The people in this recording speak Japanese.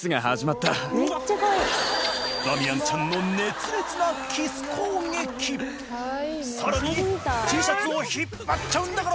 ダミアンちゃんの熱烈なさらにＴシャツを引っ張っちゃうんだから！